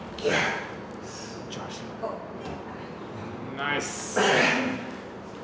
ナイス。